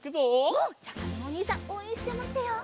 うん！じゃあかずむおにいさんおうえんしてまってよう。